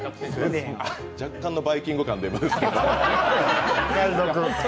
若干の「バイキング」感で。